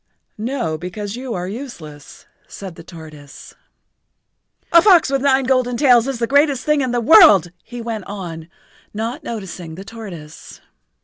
"No, because you are useless," said the tortoise. "A fox with nine golden tails is the greatest thing in the world," he went on, not noticing the tortoise.